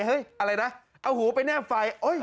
อะไรนะเอาหูไปแนบไฟ